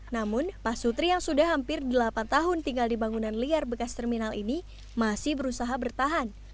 namun pak sutri yang sudah hampir delapan tahun tinggal di bangunan liar bekas terminal ini masih berusaha bertahan